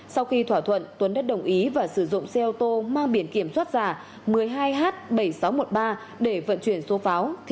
sau khi thỏa thuận tuấn đã đồng ý và sử dụng xe ô tô mang biển kiểm soát giả một mươi hai h bảy nghìn sáu trăm một mươi ba để vận chuyển số pháo